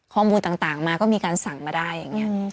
ข้อมูลต่างมาก็มีการสั่งมาได้อย่างนี้